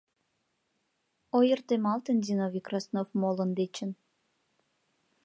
Ойыртемалтын Зиновий Краснов молын дечын.